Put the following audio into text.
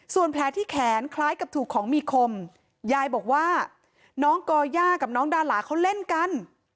ส่วนแผลที่แขนคล้ายกับถูกของมีคมยายบอกว่าน้องก่อย่ากับน้องดาราเขาเล่นกัน